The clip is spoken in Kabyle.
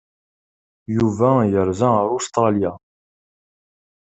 Yuba yerza ar Ustṛalya.